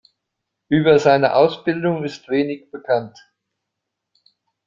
Über seine Ausbildung ist wenig bekannt.